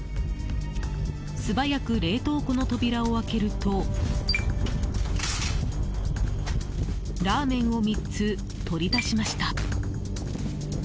素早く冷凍庫の扉を開けるとラーメンを３つ取り出しました。